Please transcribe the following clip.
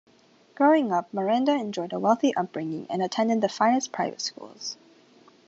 Growing up, Miranda enjoyed a wealthy upbringing and attended the finest private schools.